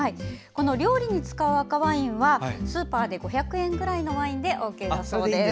料理に使う赤ワインはスーパーで５００円くらいのワインでＯＫだそうです。